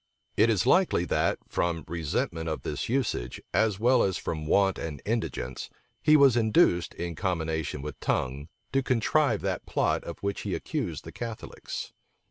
It is likely that, from resentment of this usage, as well as from want and indigence, he was induced, in combination with Tongue, to contrive that plot of which he accused the Catholics.